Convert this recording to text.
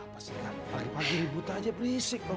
ya apa sih kamu pagi pagi ribut aja berisik pak